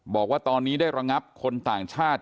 บอกว่าตอนนี้ได้ระงับคนต่างชาติ